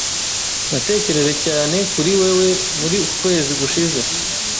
Natekereje cyane kuri wewe muri uku kwezi gushize.